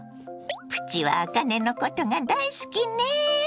プチはあかねのことが大好きね。